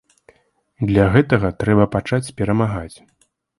Для гэтага трэба пачаць перамагаць.